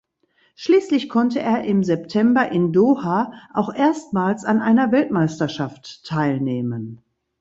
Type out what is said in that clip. Schließlich konnte er im September in Doha auch erstmals an einer Weltmeisterschaft teilnehmen.